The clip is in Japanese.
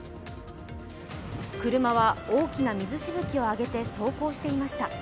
車は大きな水しぶきを上げて走行していました。